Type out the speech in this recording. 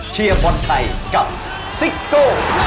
เชียร์บอลไทยกับซิโก้